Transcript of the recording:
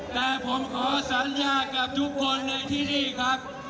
แต่ผมขอสัญญากับทุกคนเลยที่นี่ครับ